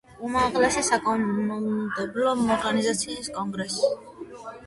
უმაღლესი საკანონმდებლო ორგანოა კონგრესი.